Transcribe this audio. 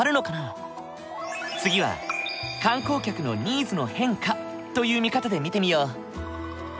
次は観光客のニーズの変化という見方で見てみよう。